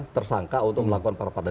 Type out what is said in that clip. tersangka untuk melakukan perpaduan